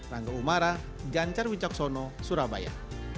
rangga umara jancar wincaksono surabaya